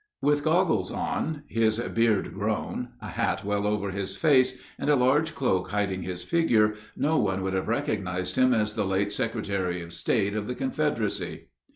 With goggles on, his beard grown, a hat well over his face, and a large cloak hiding his figure, no one would have recognized him as the late secretary of state of the Confederacy.